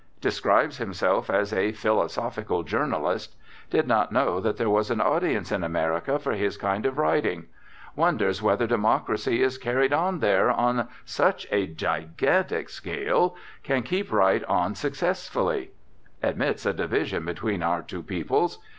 Describes himself as a "philosophical journalist." Did not know that there was an audience in America for his kind of writing. Wonders whether democracy as carried on there "on such a gigantic scale" can keep right on successfully. Admits a division between our two peoples.